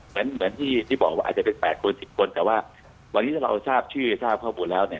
เหมือนที่บอกว่าอาจจะเป็น๘คน๑๐คนแต่ว่าวันนี้ถ้าเราทราบชื่อทราบข้อมูลแล้วเนี่ย